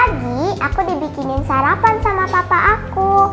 tadi pagi aku dibikinin sarapan sama papa aku